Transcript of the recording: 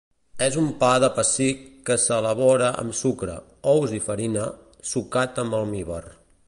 És un pa de pessic que s'elabora amb sucre, ous i farina, sucat amb almívar.